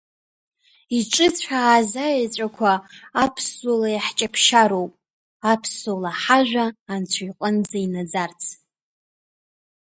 Иҿыцәааз аеҵәақәа аԥсуала иаҳҷаԥшьароуп, аԥсуала ҳажәа Анцәа иҟынӡа инаӡарц.